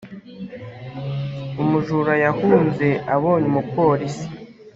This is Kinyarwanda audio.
Umujura yahunze abonye umupolisi